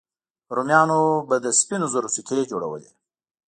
رومیانو به له سپینو زرو سکې جوړولې